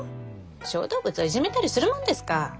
小動物をいじめたりするもんですか。